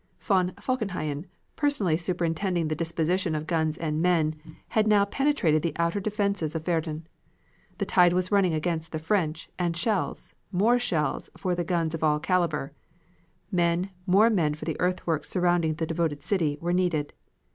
Von Falkenhayn, personally superintending the disposition of guns and men, had now penetrated the outer defenses of Verdun. The tide was running against the French, and shells, more shells for the guns of all caliber; men, more men for the earthworks surrounding the devoted city were needed.